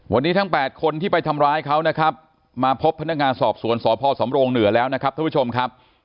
วันนี้ทั้ง๘คนที่ไปทำร้ายเขานะครับมาพบพนักงานสอบสวนสพสำโรงเหนือแล้วนะครับท่านผู้ชมครับ